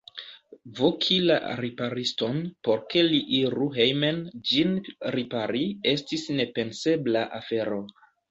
Voki la ripariston, por ke li iru hejmen ĝin ripari, estis nepensebla afero.